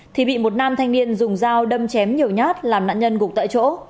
thì bị một nam thanh niên dùng dao đâm chém nhiều nhát làm nạn nhân gục tại chỗ